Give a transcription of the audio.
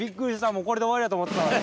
もうこれで終わりやと思うてたのに。